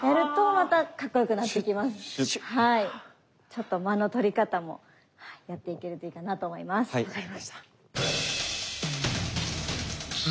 ちょっと間の取り方もやっていけるといいかなと思います。